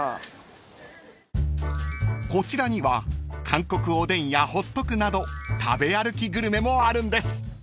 ［こちらには韓国おでんやホットクなど食べ歩きグルメもあるんです］